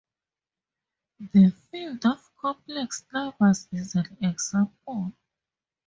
The field of complex numbers is an example.